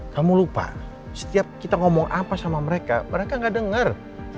kamu lupa setiap kita ngomong apa sama mereka mereka gak denger